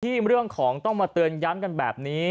เรื่องของต้องมาเตือนย้ำกันแบบนี้